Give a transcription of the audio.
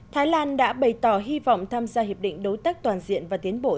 thái lan đã bày tỏ hy vọng tham gia hiệp định đối tác toàn diện và tiến bộ